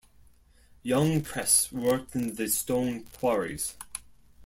Young Kress worked in the stone quarries.